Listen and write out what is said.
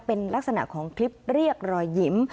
เป็นลักษณะของคลิปเรียกรอยยิ้ม